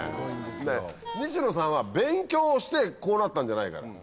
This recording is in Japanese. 西野さんは勉強してこうなったんじゃないから。